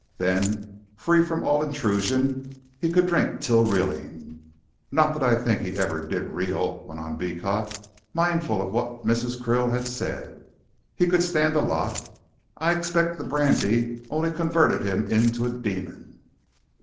Then, free from all intrusion, he could drink till reeling. Not that I think he ever did reel," went on Beecot, mindful of what Mrs. Krill had said; "he could stand a lot, and I expect the brandy only converted him into a demon."